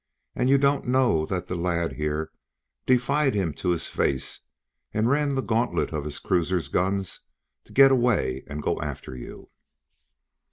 "And you don't know that the lad, here, defied him to his face and ran the gantlet of his cruisers' guns to get away and go after you."